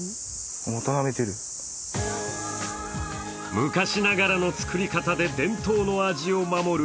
昔ながらの作り方で伝統の味を守る